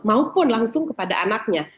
maupun langsung kepada anaknya